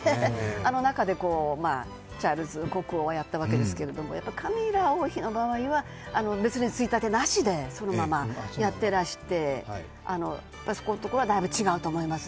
あの中でチャールズ国王やったわけですけれどもやっぱりカミラ王妃の場合は別についたてなしでそのままやってらして、そこのところはだいぶ違うと思いますね。